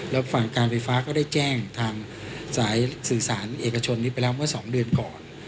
แล้วฝั่งการไฟฟ้าก็ได้แจ้งทางสายสื่อสารเอกชนนี้ไปแล้วเมื่อ๒เดือนก่อน